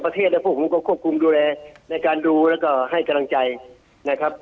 ผมก็ควบคุมดูแลในการดูแล้วก็ให้กำลังใจนะครับ